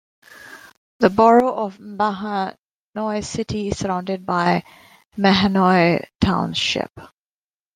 The borough of Mahanoy City is surrounded by Mahanoy Township.